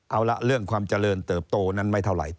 เอาละเรื่องความเจริญเติบโตนั้นไม่เท่าไหร่